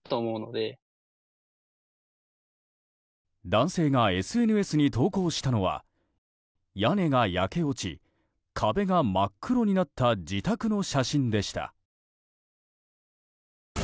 男性がＳＮＳに投稿したのは屋根が焼け落ち壁が真っ黒になった自宅の写真でした。